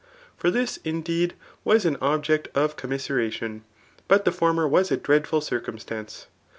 For this, indeed, i¥as anxhjeoto^' com* miseration, but the former was a dreadful ckcuntstance.